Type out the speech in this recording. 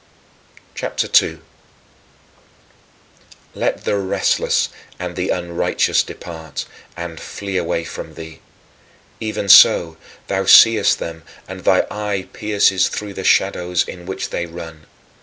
CHAPTER II 2. Let the restless and the unrighteous depart, and flee away from thee. Even so, thou seest them and thy eye pierces through the shadows in which they run.